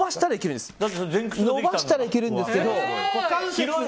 伸ばしたらいけるんですけど。